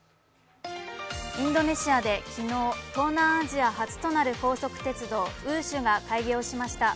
インドネシアで昨日、東南アジアで初となる高速鉄道、ＷＨＯＯＳＨが開業しました。